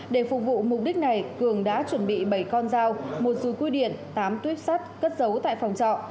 để phục vụ mục đích này cường đã chuẩn bị bảy con dao một dùi quy điện tám tuyếp sắt cất giấu tại phòng trọ